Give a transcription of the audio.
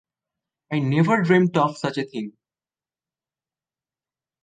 I never dreamt of such a thing.